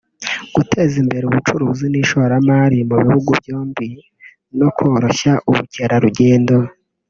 guteza imbere ubucuruzi n’ishoramari mu bihugu byombi no koroshya ubukerarugendo